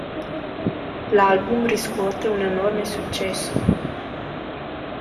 L'album riscuote un enorme successo.